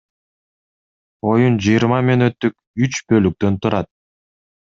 Оюн жыйырма мүнөттүк үч бөлүктөн турат.